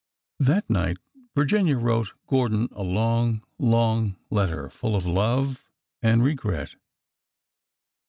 That night Virginia wrote Gordon a long, long letter, full of love and regret.